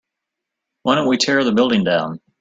why don't we tear the building down?